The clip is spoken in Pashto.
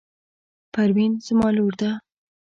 پروین زما لور ده.